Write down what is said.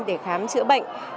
để khám chữa bệnh